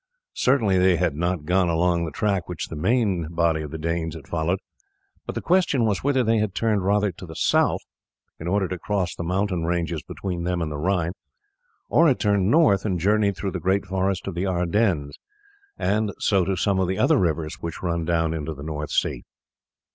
Certainly they had not gone along the track which the main body of the Danes had followed; but the question was whether they had turned rather to the south in order to cross the mountain ranges between them and the Rhine, or had turned north and journeyed through the great forest of Ardennes, and so to some of the other rivers which run down into the North Sea.